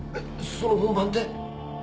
その本番って！？